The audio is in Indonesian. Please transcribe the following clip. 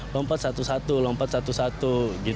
lompat satu satu lompat satu satu